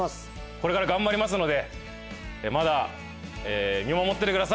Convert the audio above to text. これから頑張りますのでまだ見守っててください。